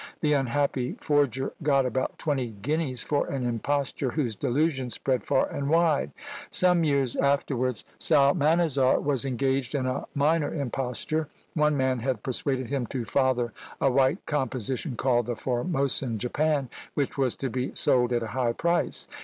the unhappy forger got about twenty guineas for an imposture, whose delusion spread far and wide! Some years afterwards Psalmanazar was engaged in a minor imposture; one man had persuaded him to father a white composition called the Formosan japan! which was to be sold at a high price!